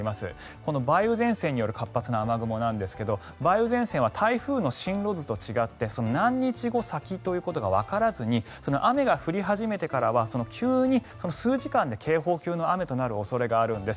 この梅雨前線による活発な雨雲ですが梅雨前線は台風の進路図と違って何日後先ということがわからずに雨が降り始めてからは急に数時間で警報級の雨となる可能性があるんです。